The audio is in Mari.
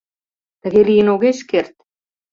— Тыге лийын огеш керт?!